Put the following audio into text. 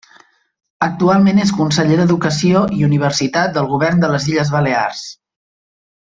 Actualment és Conseller d'Educació i Universitat del Govern de les Illes Balears.